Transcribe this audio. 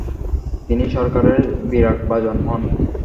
তিনি সরকারের বিরাগভাজন হন।